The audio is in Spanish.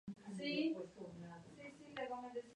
Se dedicaría a la abogacía en la capital valenciana.